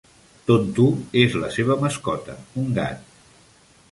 Tonto és la seva mascota, un gat.